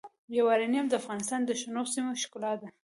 یورانیم د افغانستان د شنو سیمو ښکلا ده.